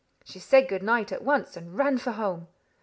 She said good night at once, and ran for home.